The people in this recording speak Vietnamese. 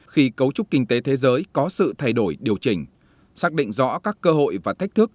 khi cấu trúc kinh tế thế giới có sự thay đổi điều chỉnh xác định rõ các cơ hội và thách thức